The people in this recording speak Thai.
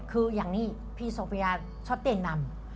คืออย่างนี้พี่โซเฟียชอบเตียงนำ